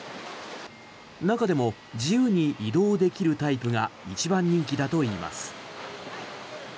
中でも自由に移動できるタイプが一番人気だといいます。